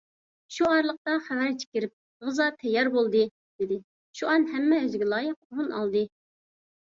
شۇ ئارىلىقتا خەۋەرچى كىرىپ: «غىزا تەييار بولدى» دېدى. شۇئان ھەممە ئۆزىگە لايىق ئورۇن ئالدى.